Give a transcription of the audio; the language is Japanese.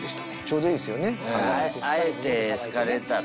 ちょうどいいですよね。